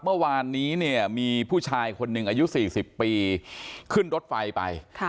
เมื่อวานนี้เนี่ยมีผู้ชายคนหนึ่งอายุ๔๐ปีขึ้นรถไฟไป